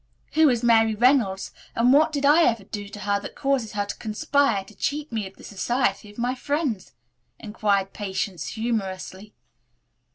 "Who is Mary Reynolds and what did I ever do to her that causes her to conspire to cheat me of the society of my friends?" inquired Patience humorously.